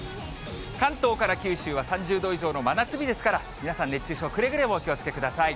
関東から九州は３０度以上の真夏日ですから、皆さん、熱中症、くれぐれもお気をつけください。